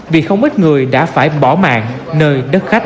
vì không ít người đã phải bỏ mạng nơi đất khách